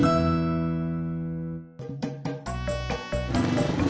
buat bantuin bikin kue